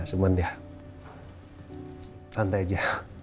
cuman ya santai aja